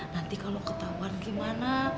nanti kalo ketahuan gimana